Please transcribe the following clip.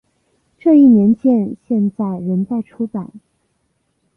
这一年鉴现在仍在出版。